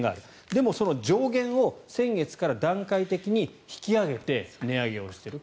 でもその上限を先月から段階的に引き上げて値上げをしている。